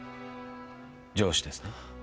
上司ですね。